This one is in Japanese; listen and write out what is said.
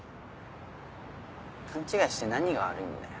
勘違いして何が悪いんだよ。